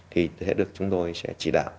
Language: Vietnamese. thì sẽ được chúng tôi sẽ chỉ đạo